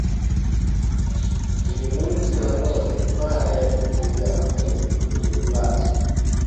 uyu munsi wa none Imana yadukuye ahakomeye nihimbazwe